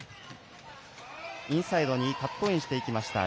インサイドにカットインしていきました。